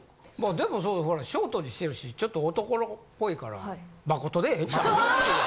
でもほらショートにしてるしちょっと男の子っぽいから誠でええんちゃう？